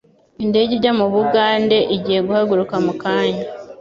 Indege ijya mu bugande igiye guhaguruka mukanya.